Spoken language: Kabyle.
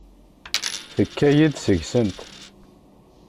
Tekka-yi-d seg-sent.